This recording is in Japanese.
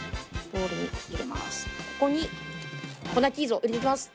ボウルに入れます。